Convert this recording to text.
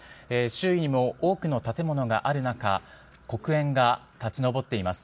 周囲も多くの建物がある中黒煙が立ち上っています。